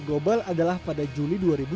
global adalah pada juli dua ribu tujuh belas